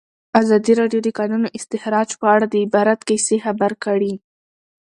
ازادي راډیو د د کانونو استخراج په اړه د عبرت کیسې خبر کړي.